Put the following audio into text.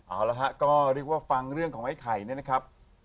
เอาล่ะฮะก็ฟังเรื่องของไอ้ไข่เนี่ยนะครับ